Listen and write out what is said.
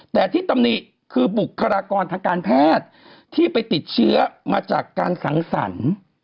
แต่ที่ตำหนิคือบุคลากรทางการแพทย์ที่ไปติดเชื้อมาจากการสังสรรค์